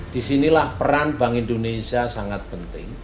disinilah peran bank indonesia sangat penting